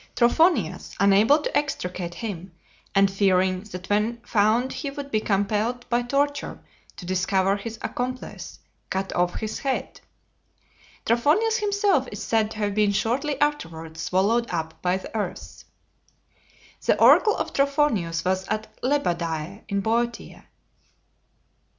Trophonias, unable to extricate him, and fearing that when found he would be compelled by torture to discover his accomplice, cut off his head. Trophonius himself is said to have been shortly afterwards swallowed up by the earth. The oracle of Trophonius was at Lebadea in Boeotia.